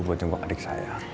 buat jemput adik saya